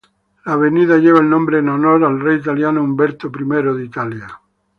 La avenida lleva el nombre en honor al rey italiano Humberto I de Italia.